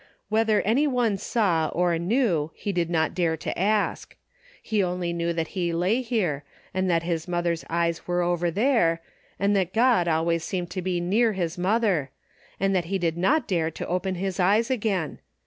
Whether any one saw or knew, he did not dare to ask. He only knew that he lay here, and that his mother's eyes were over there, and that God DAILY RATE. 193 always seemed to be near his mother, and that he did not dare to open his eyes again.